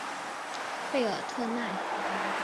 贝尔特奈。